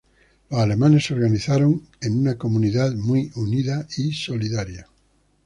Los alemanes se organizaron en una comunidad muy unida y solidaria.